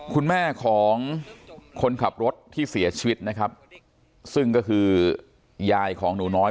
คุณแม่ของคนขับรถที่เสียชีวิตนะครับซึ่งก็คือยายของหนูน้อย